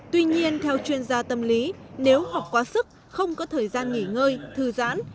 tuy nhiên theo chuyên gia tâm lý nếu học quá sức không có thời gian nghỉ ngơi thư giãn